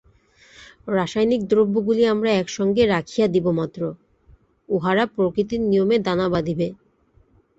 রাসায়নিক দ্রব্যগুলি আমরা এক সঙ্গে রাখিয়া দিব মাত্র, উহারা প্রকৃতির নিয়মে দানা বাঁধিবে।